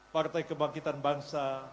partai kebangkitan bangsa